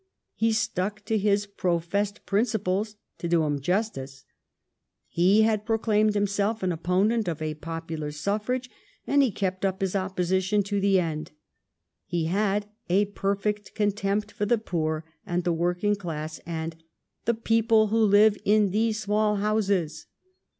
He stuck to his professed principles — to do him justice. He had proclaimed himself an opponent of a popular suffrage, and he kept up his opposi tion to the end. He had a perfect contempt for the poor and the working class and "the people who live in these small houses."